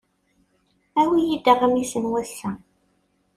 Awi-iyi-d aɣmis n wass-a.